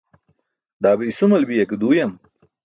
Daa be isumal biya ke duuyam?